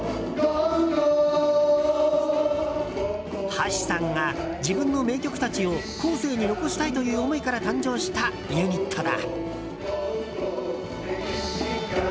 橋さんが自分の名曲たちを後世に残したいという思いから誕生したユニットだ。